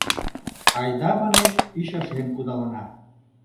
— Айда, манеш, ӱчашен кудалына.